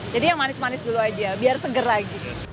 yang manis manis dulu aja biar seger lagi